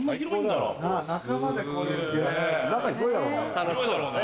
中広いだろうね。